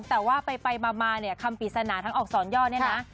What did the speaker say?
แต่ว่าไปมาเนี่ยคำปริศนาทั้งอักษรย่อเนี่ยนะ